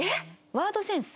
ワードセンス？